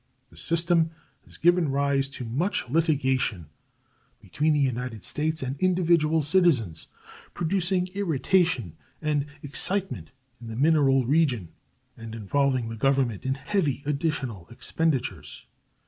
The system has given rise to much litigation between the United States and individual citizens, producing irritation and excitement in the mineral region, and involving the Government in heavy additional expenditures.